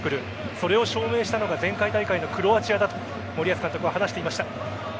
それを証明したのが前回大会のクロアチアだと森保監督は話していました。